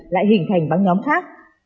lại hình thành băng nhóm khác